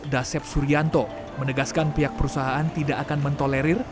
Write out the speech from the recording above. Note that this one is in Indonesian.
dasep suryanto menegaskan pihak perusahaan tidak akan mentolerir